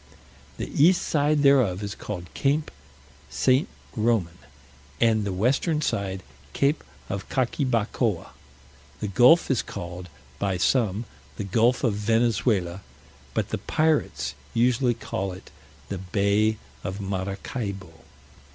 The east side thereof is called Cape St. Roman, and the western side Cape of Caquibacoa: the gulf is called, by some, the Gulf of Venezuela, but the pirates usually call it the Bay of Maracaibo.